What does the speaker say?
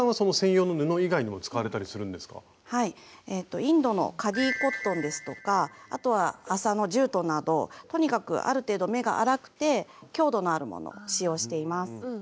インドのカディコットンですとかあとは麻のジュートなどとにかくある程度目が粗くて強度のあるものを使用しています。